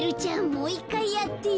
もういっかいやってよ。